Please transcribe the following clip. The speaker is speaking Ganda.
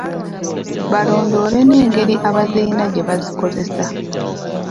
Balondoole n’engeri abazirina gye bazikozesa.